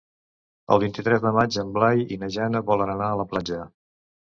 El vint-i-tres de maig en Blai i na Jana volen anar a la platja.